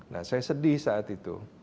nah saya sedih saat itu